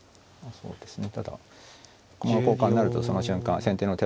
そうですね。